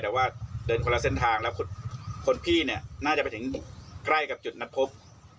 แต่ว่าเดินคนละเส้นทางแล้วคนพี่เนี่ยน่าจะไปถึงใกล้กับจุดนัดพบ